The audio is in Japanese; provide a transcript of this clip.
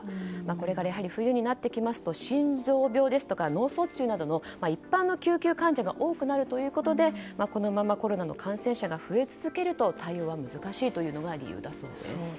これから冬になってきますと心臓病や脳卒中などの一般の救急患者が多くなるということでこのままコロナの感染者が増え続けると対応が難しいというのが理由だそうです。